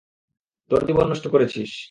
তোর জীবন নষ্ট করেছিস।